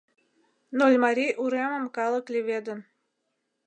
Нольмарий уремым калык леведын.